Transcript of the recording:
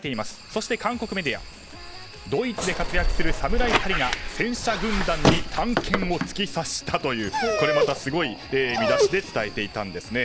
そして、韓国メディアドイツで活躍する侍２人が戦車軍団に短剣を突き刺したというこれまたすごい見出しで伝えていたんですね。